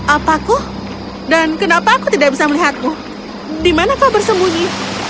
apaku dan kenapa aku tidak bisa melihatmu dimana kau bersembunyi